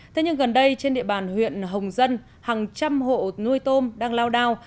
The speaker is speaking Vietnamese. thế nhưng gần đây trên địa bàn huyện hồng dân hàng trăm hộ nuôi tôm đang lao đao